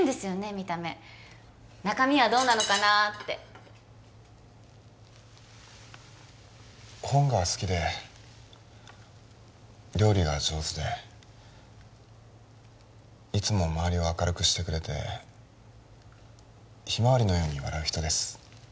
見た目中身はどうなのかなって本が好きで料理が上手でいつも周りを明るくしてくれてひまわりのように笑う人です